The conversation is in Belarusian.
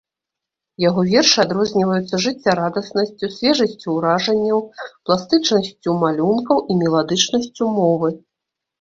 Яго вершы адрозніваюцца жыццярадаснасцю, свежасцю уражанняў, пластычнасцю малюнкаў і меладычнасцю мовы.